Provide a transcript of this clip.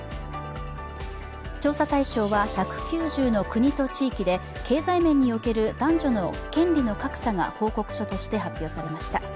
調査対象は１９０の国と地域で経済面における男女の権利の格差が報告書として発表されました。